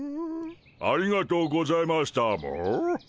ありがとうございましたモ。